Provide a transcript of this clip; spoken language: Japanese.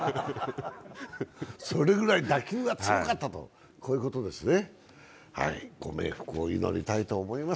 それぐらい打球が強かったと、そういうことでしょうね。